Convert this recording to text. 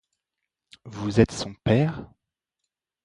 Vous êtes son père?